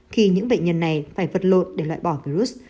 khi những bệnh nhân này phải vật lộn để loại bỏ virus